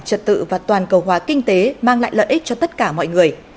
trật tự và toàn cầu hóa kinh tế mang lại lợi ích cho tất cả mọi người